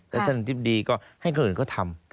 แต่ถ้าหากใช่ดีก็ให้คนอื่นก็ทำ